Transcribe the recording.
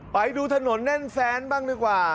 ไปดูถนนแน่นแซนบ้างดีกว่า